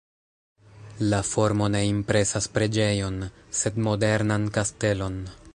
La formo ne impresas preĝejon, sed modernan kastelon.